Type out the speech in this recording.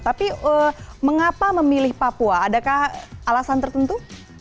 tapi mengapa memilih papua adakah alasan tertentu